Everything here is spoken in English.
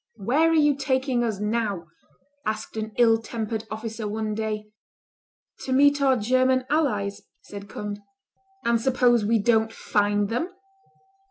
"Where are you taking us now?" asked an ill tempered officer one day. "To meet our German allies," said Conde. "And suppose we don't find them?"